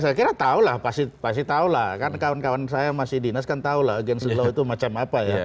saya kira tahu lah pasti tahu lah kan kawan kawan saya masih dinas kan tahu lah against law itu macam apa ya